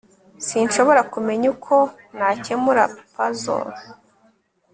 sinshobora kumenya uko nakemura puzzle